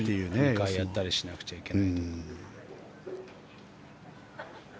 ２回やったりしなくちゃいけないとか。